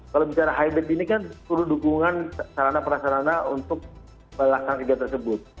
kalau bicara hybrid ini kan perlu dukungan sarana perasarana untuk melaksanakan kegiatan tersebut